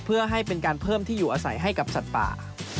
เพื่อให้เป็นการเพิ่มที่อยู่อาศัยให้กับสัตว์ป่า